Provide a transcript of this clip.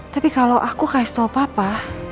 tapi kalau aku kasih tau papa